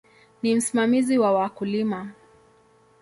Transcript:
Ni msimamizi wa wakulima.